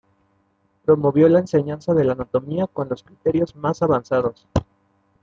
Promovió la enseñanza de la Anatomía con los criterios más avanzados.